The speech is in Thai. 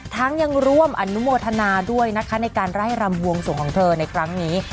ยังร่วมอนุโมทนาด้วยนะคะในการไล่รำบวงสวงของเธอในครั้งนี้